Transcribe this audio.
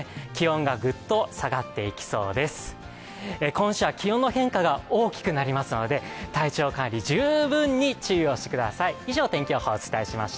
今週は気温の変化が大きくなりますので、体調管理、十分に注意をしてください。